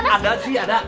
ada sih ada